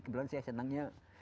kebetulan saya senangnya